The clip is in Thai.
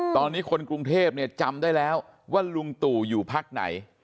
ตอนนี้คนกรุงเทพจำได้แล้วว่าลุงตู่อยู่พักไหน